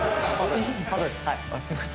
すいません。